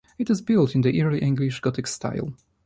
It is built in the Early English Gothic style.